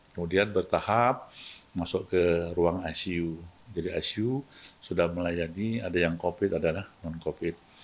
kemudian bertahap masuk ke ruang icu jadi icu sudah melayani ada yang covid ada yang non covid